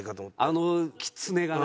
あのキツネが。